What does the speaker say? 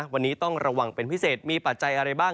วันนี้ต้องระวังเป็นพิเศษมีปัจจัยอะไรบ้าง